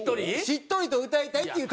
しっとりと歌いたいっていう。